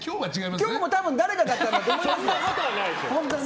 今日も多分誰かだったんだと思いますよ。